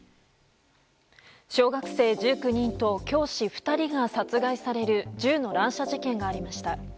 小学生１９人と教師２人が殺害される銃の乱射事件がありました。